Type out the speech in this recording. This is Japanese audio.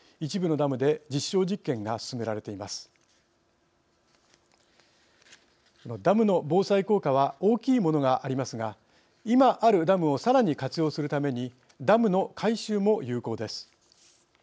ダムの防災効果は大きいものがありますが今あるダムをさらに活用するためにダムの改修も有効です。